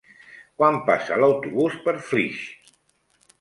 Quan passa l'autobús per Flix?